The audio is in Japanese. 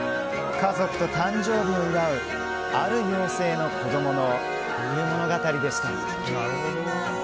家族と誕生日を祝うある妖精の子供の冬物語でした。